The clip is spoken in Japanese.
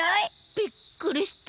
びっくりした。